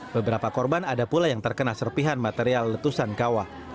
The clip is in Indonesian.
beberapa korban ada pula yang terkena serpihan material letusan kawah